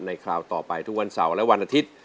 คราวต่อไปทุกวันเสาร์และวันอาทิตย์